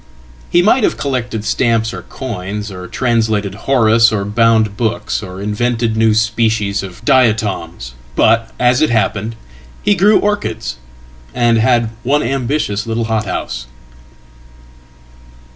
He might havecollected stamps or coins, or translated Horace, or bound books, orinvented new species of diatoms. But, as it happened, he grew orchids, andhad one ambitious little hothouse."